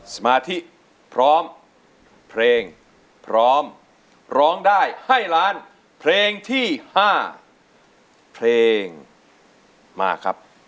สมาธิพร้อมเพลงพร้อมร้องได้ให้ล้านเพลงที่๕เพลงมาครับ